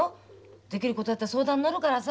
できることだったら相談乗るからさ。